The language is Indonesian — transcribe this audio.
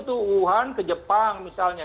itu wuhan ke jepang misalnya